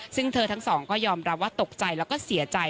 ซึ่งเธอทั้งสองก็ยอมรับว่าตกใจแล้วก็เสียใจ